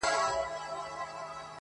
خدایه د شپېتو بړېڅو ټولي سوې کمبلي-